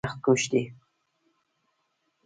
د علامه رشاد لیکنی هنر مهم دی ځکه چې سختکوش دی.